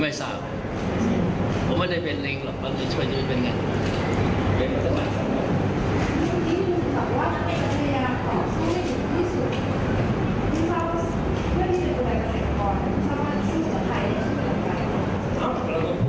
ไม่สาวเพราะไม่ได้เป็นลิงค์หรอกตอนนี้ช่วยจะไม่เป็นลิงค์